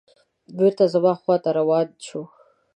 بېرته زما خواته روان شو.